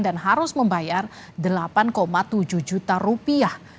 dan harus membayar delapan tujuh juta rupiah